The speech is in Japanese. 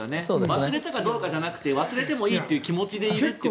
忘れたかどうかじゃなくて忘れてもいいという気持ちでいるという。